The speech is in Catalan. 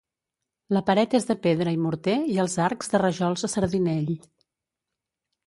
La paret és de pedra i morter i els arcs de rajols a sardinell.